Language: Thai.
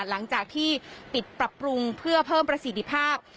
หลังจากที่ปิดปรับปรุงเพื่อเพิ่มประสิทธิภาพ